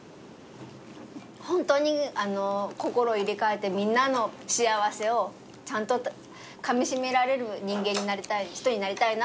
ホントにあのう心を入れ替えてみんなの幸せをちゃんとかみしめられる人間に人になりたいなと思って。